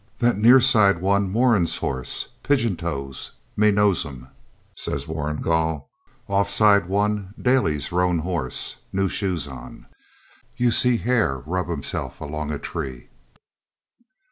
'That near side one Moran's horse, pigeon toes; me know 'em,' says Warrigal. 'Off side one Daly's roan horse, new shoes on. You see 'um hair, rub himself longa tree.'